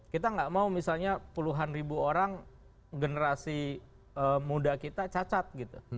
kita nggak mau misalnya puluhan ribu orang generasi muda kita cacat gitu